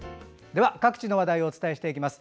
では、各地の話題をお伝えします。